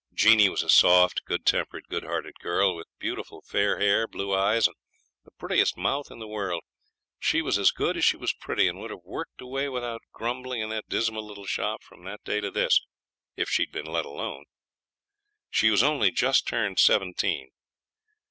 Jeanie was a soft, good tempered, good hearted girl, with beautiful fair hair, blue eyes, and the prettiest mouth in the world. She was as good as she was pretty, and would have worked away without grumbling in that dismal little shop from that day to this, if she'd been let alone. She was only just turned seventeen.